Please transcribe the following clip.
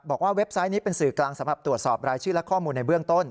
เว็บไซต์นี้เป็นสื่อกลางสำหรับตรวจสอบรายชื่อและข้อมูลในเบื้องต้น